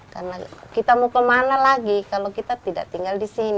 karena kita mau ke mana lagi kalau kita tidak tinggal di sana